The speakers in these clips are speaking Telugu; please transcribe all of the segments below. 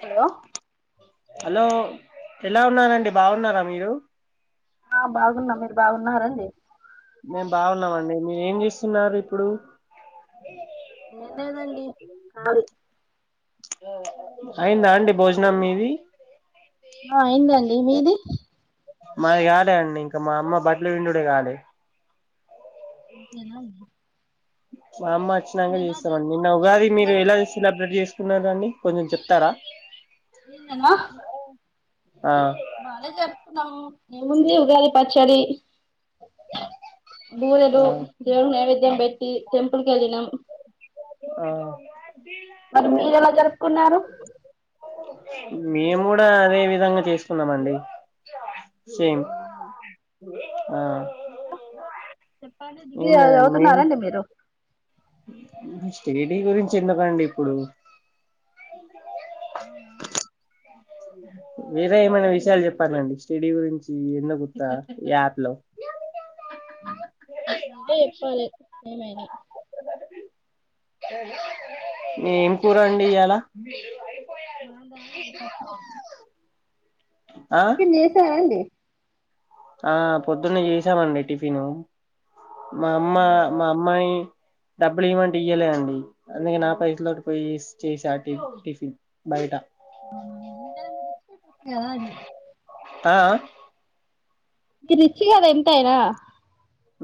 హలో హలో ఎలా ఉన్నారండి బాగున్నారా మీరు ఆ బాగున్నా మీరు బాగున్నారా మేం బాగున్నామండి మీరేం చేస్తున్నారు ఇప్పుడు ఏం లేదండి కాదు అయిందా అండి భోజనం మీది ఆ అయిందండి మీది మాది కాదే అండి ఇంకా మా అమ్మ బట్టలు పిండుడే కాలే అంతేనా అండి మా అమ్మ అచ్చినంక మీరు ఎలా చేస్తామండి. నిన్న జరుపుకున్నారండి ఉగాది మీరు ఎలా పండుగ సెలబ్రేట్ చేసుకోన్నారు. కున్నారండి కొంచెం చెప్తారా నిన్న నా ఆ బాగా జరుపుకున్నాము. ఏముంది ఉగాది పచ్చడి కి.. ఆ బూరెలు దేవుడికి నైవేద్యం పెట్టి టెంపుల్ కి వెళ్ళినం ఆ మరి మీరు ఎలా జరుపుకున్నారు మేము కూడా అదే విధంగా చేసుకున్నాము. అండి సేమ్ అవునా ఆ.. చెప్పండి డిగ్రీ ఏం బాగా లేదండి చదువుతున్నారా అండి మీరు స్టేడీ గురించి ఎందుకండి ఇప్పుడు అవునా అండి వేరే ఏమైనా విషయాలు చెప్పాలండి స్టెడీ గురించి ఎందుకు వుత్త ఈ యాప్ లో నువ్వే చెప్పాలే ఏమైనా ఏం కూరండి ఇయలా మాదా ఈది పప్పు ఆ టిఫిన్ చేసారండి ఆ పొద్దున్నే చేసామండి టిఫిను. మా 'అమ్మ'మా అమ్మాయి డబ్బులు ఇయ్యామంటే ఇయ్యలే అండి అందుకే నా పైసల తోటి పోయి చేసా టి టిఫిన్ బయట అవునా టరర్ గురించి టరార్ ఆ ఆ మీరు రిచ్ కదా ఎంతయినా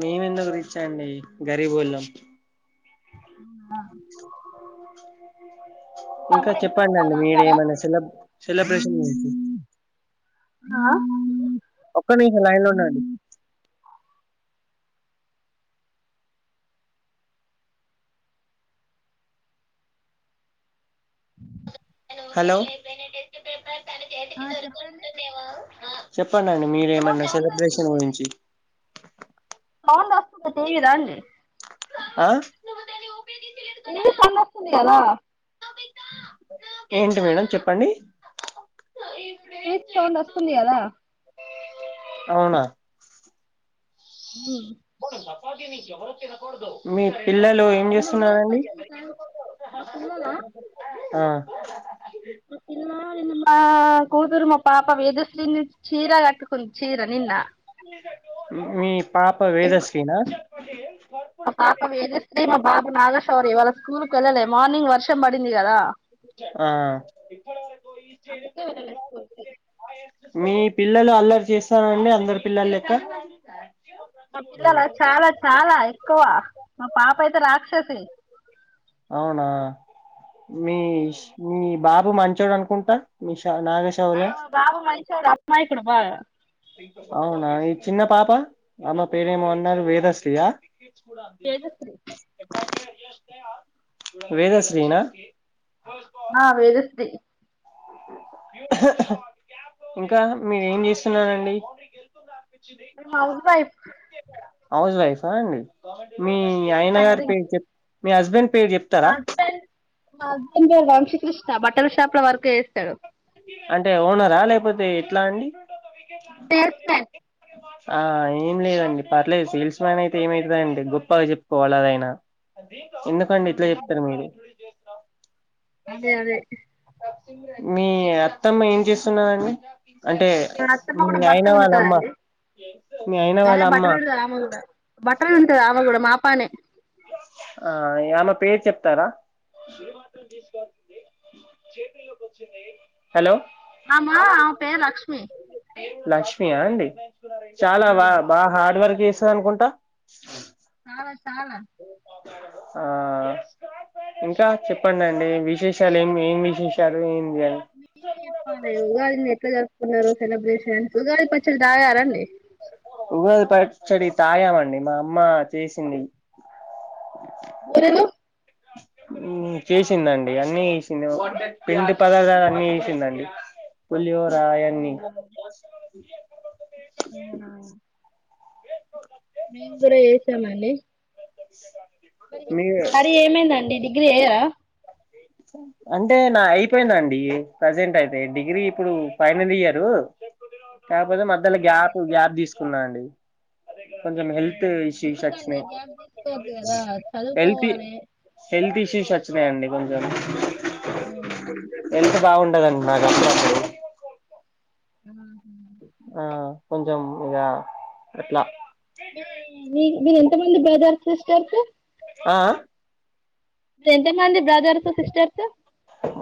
మేము ఎందుకు రిచ్ అండి గరిబోల్లం ఆ ఇనో అడిబుల్ ఇంకా ఎగ్జామ్స్ చెప్పండి బాగా అండి మీరే రాసాడా ఏమైన్నా సిలబ్ సెలబ్రేషన్ చేసి [inaudible] ఆ ఒక్క నిమిషం లైన్ లో ఉండండి హలో ఆ చెప్పాలి ఆ చెప్ చెప్పండి అండి మీరే ఏమన్నా సెలబ్రేషన్ గురించి మొహం దాసుకుంటే తెలియదా అండి ఆ ఏమో సౌండ్ వస్తుంది కదా ఏంటి మేడం చెప్పండి ఈ టీవీ సౌండ్ వస్తుంది కదా అవునా ఉ మీ పిల్లలు ఏం ఇన్నరవయి చేస్తున్నారండి పచ్చందికా మ పిల్లలా ఆ ఆ కూతురు మా పాప వేదశ్రీని మీ పాప వేదశ్రీ నా మా పాప వేద శ్రీ మా బాబు నాగ శౌర్య ఇవాళ స్కూల్ కు వెళ్ళలే మార్నింగ్ వర్షం పడింది కదా ఆ ఇ మీ పిల్లలు అల్లరి చేస్తార అండి అందరు పిల్లలు లెక్క మా పిల్లల చాల చాలా ఎక్కువ మా పాప అయితే రాక్షసి అవునా మీష్ మీ బాబు మంచోడు అనుకుంటా మీ ష్ ఆ బాబా మంచోడు అమాయకుడు బాగా అవునా ఈ చిన్న పాప ఆమె పేరేమో అన్నారు వేదశ్రీ ఆ ఎప్పుడోత్తాయి వేదశ్రీ వేదశ్రీనా ఆ వేదశ్రీ ఇంకా మీరేం చేస్తున్నారండి మ హౌస్ వైఫ్ హౌజ్ వైఫా అండి మీ ఆయన గారి పేరు టైలరింగ్ చెప్ మీ హస్బెండ్ పేరు చెప్తారా మా హస్బెండ్ పేరు వంశకృష్ట బట్టల షాప్ లో వర్క్ చేస్తాడు అంటే ఓనరా లేకపోతే ఎట్లా అండి ఆ ఏం లేదండి పర్లేదు సేల్స్ మ్యాన్ అయితే ఏమైతదండి గొప్పగా చెప్పుకోవాలి అదైనా ఎందుకండి ఇట్లా చెప్తారు మీరు అదే అదే మీ అత్తమ్మ ఏం చేస్తున్నారండి అత్తమ కూడా బట్టలు అమ్మ పెండుతాదండి మీ అయిన వాళ్ళ అదే అమ్మ బట్టలు పిండుతాది ఆమె కూడా బట్టలు పిండుతది ఆమె కూడా మా పనే ఆ ఆమె పేరు చెప్తారా హలో ఆమ ఆమె పేరు లక్ష్మి లక్ష్మీ ఆ అండి చాలా బా బా హార్డ్ వర్క్ చేస్తది అనుకుంటా ఆ తాల ఆ ఇంకా చెప్పండి అండి విశేషాలు ఏం ఏం విశేషాలు ఏం మీరే చెప్పాలి ఉగాది ఎట్లా జరుపు సెలబ్రేషన్స్ ఉగాది పచ్చడి దాగారండి ఉగాది పచ్చడి తాగామండి మా అమ్మ చేసింది ఊరెలు చేసిందండి అన్నీ చేసింది పిండి పదార్థాలు అన్నీ చేసిందండి పులియో రాయంనీ ఉమ్ అ మేము కూడార వసామని విజయ కా మరి ఏమైందండి డిగ్రీ అయ్యా అంటే నా అయిపోయిందండి ప్రజెంట్ అయితే డిగ్రీ ఇప్పుడు ఫైనల్ ఇయరు కాపోతే మధ్యలో గ్యాప్ గ్యాప్ స్తున్నా అండి కొంచం హెల్త్ ఇష్యూస్ వచ్చినాయి గ్యాప్ తీసుకోవద్దు కదా హెల్త్ చదువుకోవాలి హెల్త్ ఇష్యూస్ వచ్ వయండి కొం జాల ఎంత బాగుండదండి నాకు అసల్ నచ్చదు ఆ కొంచం ఇదా అట్లా మీ మి మీర్ ఎంత మంది బ్రోదా సిస్టర్స్ ఆ అ ఎంత మంది బ్రదర్స్ సిస్టర్స్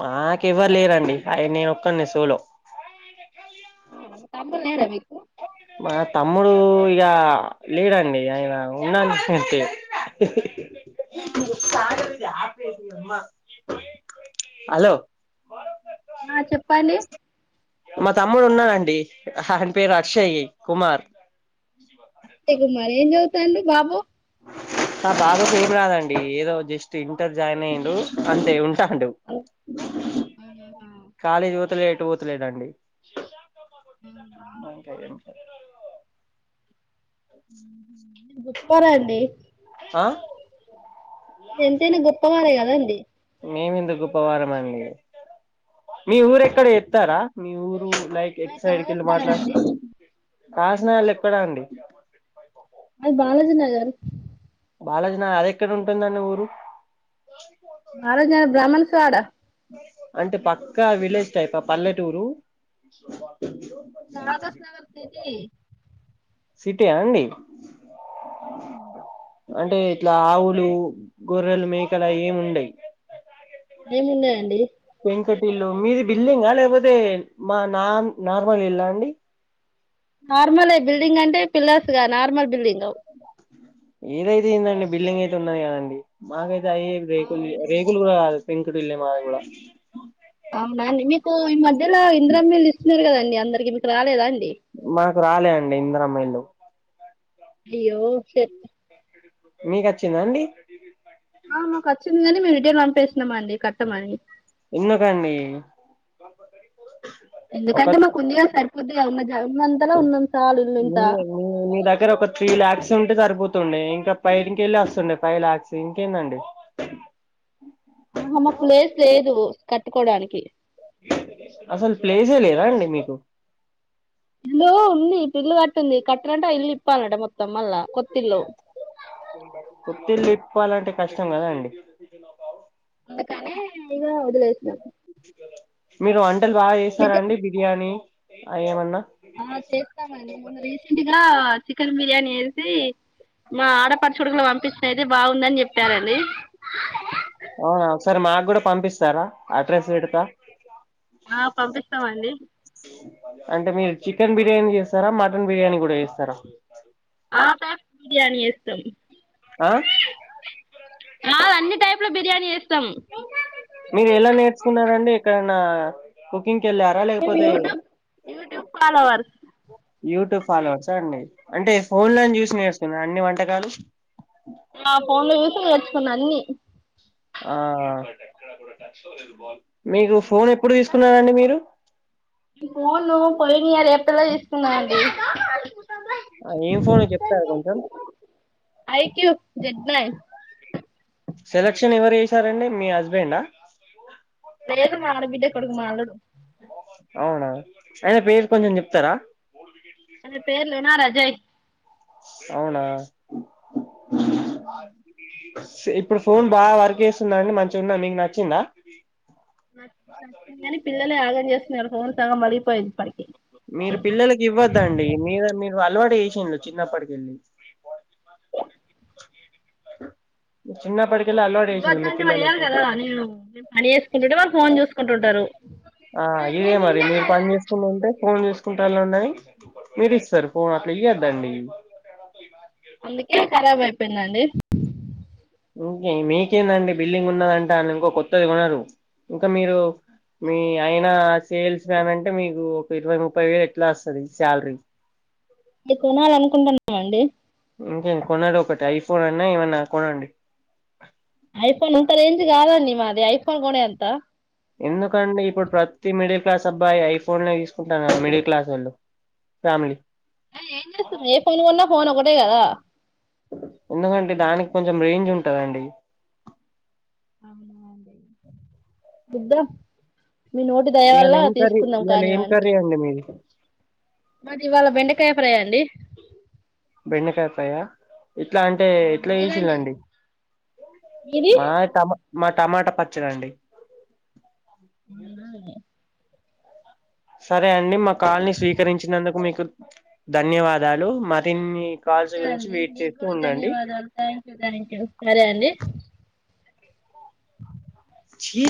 మాకు ఎవ్వరు లేరండి అవి నేను ఒక్కన్ని సూలో తమ్ లేర మీకు మా తమ్ముడు ఇక లేడండి ఆయన ఉన్నాను హలో ఆ చెప్పలి మా తమ్ముడు ఉన్నానండి ఆయన పేరు అక్షయ కుమార్ అత్తే కుమార్ ఏ చ తాండూ బాబు నా బాబాకు ఏం రాదండి ఏదో జస్ట్ ఇంటర్ జాయిన్ అయ్యండు అంతే ఉం టండు బాబు కాలేజ్ పొతలే పట్ పోతలేడండి [unintelligible] అండి పోరాడి ఆ ఎంతైనా గొప్పవారే కదండి మేమిందు గప్పవారం అండి మీ ఊరే క్కడ ఇత్తారా మీ ఊరు క్ ఎక్ సైడ్ కిల్ మాట్లాడ కాసిన వాళ్ళ ఎక్కడా అండి అది బాలాజీ నగర్ బాలాజ నా అది ఎక్కడ ఉంటుందండి ఊరు మహారాజాను బ్రాహ్మణ సవాడా అంటే పక్కా విలేజ్ టైప్ పల్లెటూరు రాగస్ న వర్తది సిటే అండి అంటే ఇట్లా ఆవులు గొర్రెలు మేకల ఏమి ఉండయి ఏమున్నాయండి ఇంకటి ఇల్లు మీది బిల్లింగా లేకపోతే మా నాార్ నార్మల్ ఇల్లా అండి నార్మలే బిల్డింగ్ అంటే పిల్లర్స్ గా నార్మల్ బిల్డింగ్ [unintelligible] ఏదైతే ఏందండి బిల్డింగ్ అయితే ఉన్నది కదండి మాకై తయి ఏం రేకుల్వి రేకుల్ కూడ కాదు పెంకుటిల్లే మాది కూడా అవునాండి మీకు ఇమ ధ్యలో ఇందిరమ్మ ఇల్లు ఇస్తున్నరు కదం డి అందరికీ మీకు రాలేదా అం మాకు రాలే అండి ఇందరమ్మ ఇల్లు అయ్యో షట్ మీగచ్చిందా అండి ఆ మాకు వొచ్చింది కానీ మేము రిటెన్ పంపేస్నమ్ అండి కట్టమని ఎందుకండీ ఎందుకంటే మాకుంది గా సరిపోద్ది ఇగ మా జల్మ అంతలో ఉన్నాం మీ మీ మీ దగ్గర ఒక త్రీ లాక్స్ ఉంటే సరిపోతుండే ఇంకా పైని కెళ్లి వస్సుండే పైవ్ లాక్స్ ఇంకేందండి ఆ హమ్మ ప్లేస్ లేదు కట్టుకోడానికి అసలు ప్లేసే లేదాండి మీకు ఇల్లు ఉంది ఇప్పిల్లు కట్టుంది కట్టినంటే ఆ ఇల్లు ఇప్పాలంట మొత్తం మళ్ళా కొత్తిల్లు కొత్తిల్లు విప్పాలంటే కష్టం కదాండి అందుకనే ఇంగ వదిలేసినం మీరు వం టల్ బాగా చేసారండి బిర్యానీ అయ్ ఏమన్నా ఆ చేస్తామండి మొన్న రీసెంట్ గా చికెన్ బిర్యానీ వేసి మా ఆడపడు చుడుకులు పంపించిన అయితే బాగుందని చెప్పారండి. అవునా ఒకసారి మాకు కూడా పంపిస్తారా అడ్రస్ పెడత ఆ పంపిస్తామండి అంటే మీరు చికెన్ బిర్యానీ చేస్సరా మటన్ బిర్యానీ కూడా చేస్సరా ఆఫాఫ్ బిర్యానీ వేస్తాం ఆ ఆ అన్ని టైప్ల బిర్యానీ వే స్తం మీరు ఎలా నేర్చుకున్నారండి ఎక్కడన్నా కుకింగ్ కి వెళ్ళారా మేం లేకపోతే యూట్యూబ్ యూట్యూబ్ ఫాలోవర్ యూట్యూబ్ ఫాలోవర్సా అండి అంటే ఫోన్లనే చూసి నేర్సుకున్నర అన్ని వం టకాలు. ఆ ఫోన్లో చూసి నేర్చుకున్నా అన్నీ ఆ మీకు ఫోన్ ఎప్పుడు తీసుకున్నరండి మీరు. ఈ ఫోను పోయిన ఇయర్ ఏప్రిల్లా తీసుకున్నాండి. ఆ ఏంఫోనో చెప్తారా కొంచెం. ఐక్యూ జెడ్ [unintelligible] సెలక్షన్ ఎవరు చేసారండి మీ హస్బెండా. లేదు మా ఆడబిడ్డ కొడుకు మా అల్లుడు అవునా. అయిన పేర్ కొంచెం చెప్తరా. తెనార్ అజయ్ అవునా. ఉ ఇప్పుడు ఫోన్ బాగా వర్క్ చేస్తుందాండి, మంచిగుందా మీకు నచ్చిందా. న నచ్చింది కాని పిల్లలే ఆగం చేస్ తరు ఫోన్ సగం పలిగిపోయింది ఇప్పటికి నువ్వు అలవాటు చేసిల్లు చిన్నప్పటికెల్లి చిన్నప్పటి ఇవ్వద్దు అంటే వాళ్ళు ఇనరు కదా. నేను నేను పని చేేసుకుంటుంటే వాళ్ళు ఫోన్ చూసుకుంటుంటరు. ఆ ఇదే మరి మీరు పని చేసుకుంట ఉంటే ఫోన్ చేసుకుంటాళ్ళునయి మీరు ఇస్తరు ఫోన్ అట్లా ఇయ్యద్దండి. అందుకే ఖరాబ్ అయిపోయిందండి. ఇంకే మీకేందండి బిల్డింగ్ ఉన్నదంటల్లు, ఇంకో కొత్తది కొనరు. ఇంకా మీరు మీ ఆయినా సేల్స్ మ్యాన్ అంటే మీకు ఒక ఇరవై ముప్పై వేలు ఎట్లా వస్తది సాలరీ. మీ కొనాలి అనుకుంట లేమండి. ఇంకేం కొనరు ఒకటి ఐఫోన్ అన్నా ఏమన్నా కొనండి. ఐఫోన్ అంత రేంజ్ కాదు అండి మాది ఐఫోన్ కోనే అంతా. ఎందుకండి ఇప్పుడు ప్రతి మిడిల్ క్లాస్ అబ్బాయి ఐఫోన్లె తీసుకుంటారు కదా మిడిల్ క్లాసోళ్ళు ఫ్యామిలీ. అరే ఏంచేస్తాం. ఏ ఫోన్ కొన్నా ఫోన్ ఒకటే కదా. ఎందుకంటే దానికి కొంచెం రేంజ్ ఉంటదండి. అవునా అండి చూద్దాం. మీ నోటి దయ వల్ల ఇయలా ఏం కర్రీ, తీసుకుందాం ఇయలా ఏం కర్రీ అండి మీది? మాది ఇవాళ బెండకాయ ఫ్రై అండి. బెండకాయ ఫ్రై ఆ ఎట్లా అంటే ఎట్లా మీదండి చేశిలండి. మీది మాది టమా మాది టమాటా పచ్చడ అండి. [inaudible] సరే అండి మా కాల్ని స్వీకరించినందుకు మీకు ధన్యవాదాలు మర్ ఓకే అండి నీక్కూడా ఉండండి ధన్యవాదాలు థ్యాంక్ యూ థ్యాంక్ యూ సరే అండి ఛీ